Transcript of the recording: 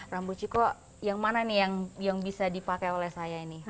rambu ciko yang mana nih yang bisa dipakai oleh saya ini